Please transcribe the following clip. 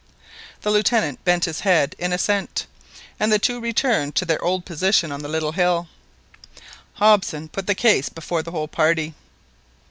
The Lieutenant bent his head in assent, and the two returned to their old position on the little hill. Hobson put the case before the whole party.